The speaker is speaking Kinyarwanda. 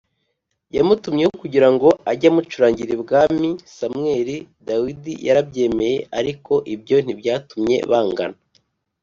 Yamutumyeho kugira ngo ajye amucurangira ibwami samweli dawidi yarabyemeye ariko ibyo ntibyatumye bangana